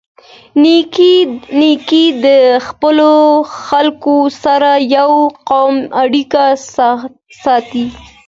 نیکه د خپلو خلکو سره یوه قوي اړیکه ساتي.